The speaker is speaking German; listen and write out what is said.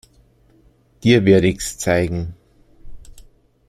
Dir werd ich's zeigen.